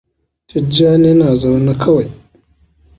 Tijjani na zaune kawai.